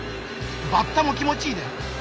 バッタも気持ちいいね！